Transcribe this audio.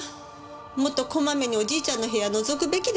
もっとこまめにおじいちゃんの部屋覗くべきだった。